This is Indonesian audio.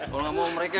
kalo gak mau mereka